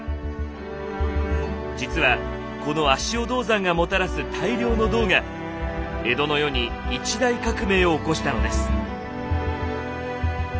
実はこの足尾銅山がもたらす大量の銅が江戸の世に一大革命を起こしたのです。